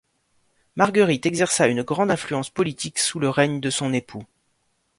Marguerite exerça une grande influence politique sous le règne de son époux.